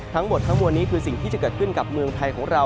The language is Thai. ทั้งหมดทั้งมวลนี้คือสิ่งที่จะเกิดขึ้นกับเมืองไทยของเรา